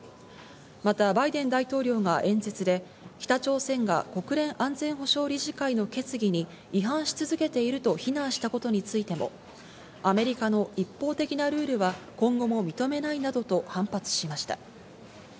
またバイデン大統領が演説で北朝鮮が国連安全保障理事会の決議に違反し続けていると非難したことについても、アメリカの一方的なルールは今後も認めないなどと反発しました。